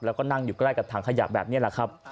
แล้วก็นั่งอยู่ใกล้กับถังขยะแบบนี้แหละครับ